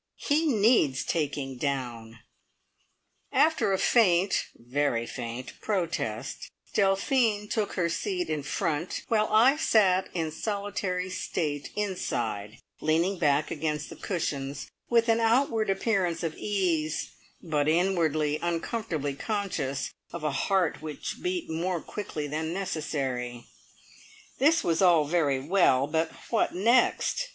He needs taking down! After a faint very faint protest, Delphine took her seat in front, while I sat in solitary state inside, leaning back against the cushions with an outward appearance of ease, but inwardly uncomfortably conscious of a heart which beat more quickly than necessary. This was all very well, but what next?